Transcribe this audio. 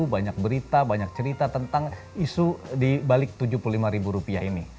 banyak berita banyak cerita tentang isu dibalik rp tujuh puluh lima ini